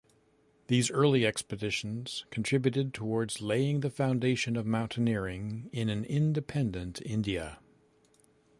These early expeditions contributed towards laying the foundation of mountaineering in an independent India.